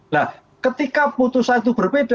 nah ketika putusan itu berbeda